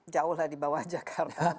jauh lah di bawah jakarta